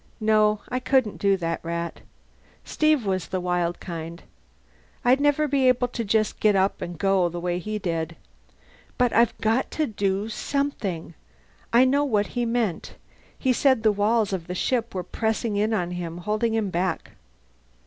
"No. I couldn't do that, Rat. Steve was the wild kind. I'd never be able just to get up and go, the way he did. But I've got to do something. I know what he meant. He said the walls of the ship were pressing in on him. Holding him back."